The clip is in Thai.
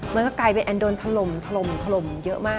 มันก็กลายเป็นแอนด์โดนถลมเยอะมาก